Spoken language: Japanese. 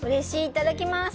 いただきます。